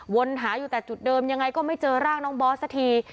หาอยู่แต่จุดเดิมยังไงก็ไม่เจอร่างน้องบอสสักที